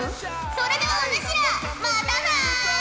それではお主らまたな！